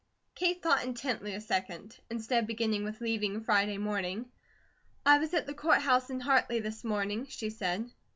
Kate thought intently a second. Instead of beginning with leaving Friday morning: "I was at the Court House in Hartley this morning," she said.